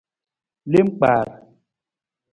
Lem kpar.